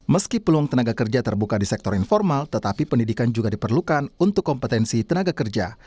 meski peluang tenaga kerja terbuka di sektor informal tetapi pendidikan juga diperlukan untuk kompetensi tenaga kerja